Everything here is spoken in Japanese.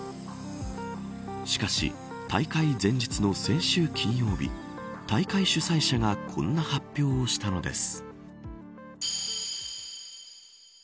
しかし、大会前日の先週金曜日大会主催者がこんな発表をしたのです。